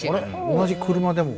同じ車でも。